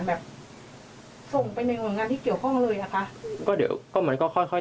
แล้วส่งไปในงานที่เกี่ยวข้องเลยก็ก็จะมันก็ค่อย